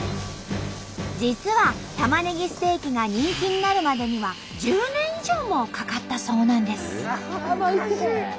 実はたまねぎステーキが人気になるまでには１０年以上もかかったそうなんです。